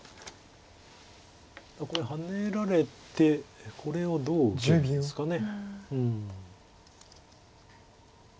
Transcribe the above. これハネられてこれをどう受けるんですかね。